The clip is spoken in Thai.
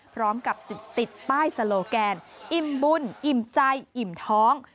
พร้อมกับติดป้ายสโลแกนอิ่มบุญอิ่มใจอิ่มท้อง